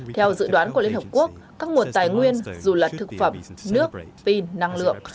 theo dự đoán của liên hợp quốc các nguồn tài nguyên dù là thực phẩm nước pin năng lượng